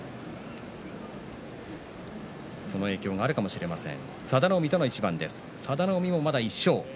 その影響があるかもしれません。